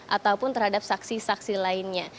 ataupun terhadap saksi saksi lainnya